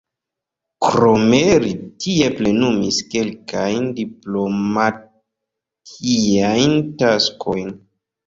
Krome li tie plenumis kelkajn diplomatiajn taskojn.